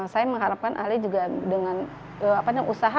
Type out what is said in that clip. saya mengharapkan ahli juga dengan usaha